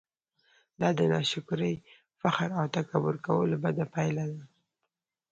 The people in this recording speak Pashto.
دا د ناشکرۍ، فخر او تکبير کولو بده پايله ده!